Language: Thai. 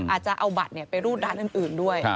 อาจจะเอาบัตรไปรูดร้านอื่นด้วย